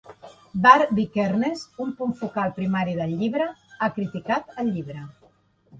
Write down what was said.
Varg Vikernes, un punt focal primari del llibre, ha criticat el llibre.